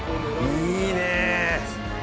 いいね！